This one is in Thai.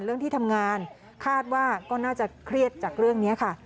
เรื่องที่ทำงานคาดว่าก็น่าจะเครียดจากเรื่องนี้ค่ะ